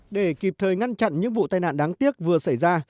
để kịp thời ngăn chặn những vụ tai nạn đáng tiếc vừa xảy ra